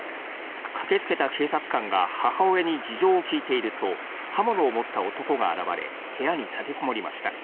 駆けつけた警察官が母親に事情を聴いていると、刃物を持った男が現れ、部屋に立てこもりました。